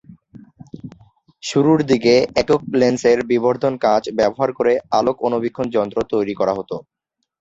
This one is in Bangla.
শুরুর দিকে একক লেন্সের বিবর্ধন কাচ ব্যবহার করে আলোক অণুবীক্ষণ যন্ত্র তৈরি করা হত।